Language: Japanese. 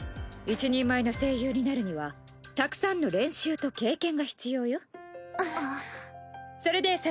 一人前の声優になるにはたくさんの練習と経験が必要よ。